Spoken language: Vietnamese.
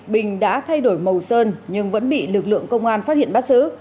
bình đã thay đổi màu sơn nhưng vẫn bị lực lượng công an phát hiện bắt giữ